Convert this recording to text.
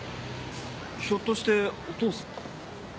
ひょっとしてお父さん？